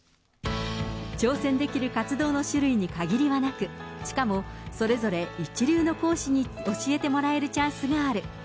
挑戦できる活動の種類に限りはなく、しかも、それぞれ一流の講師に教えてもらえるチャンスがある。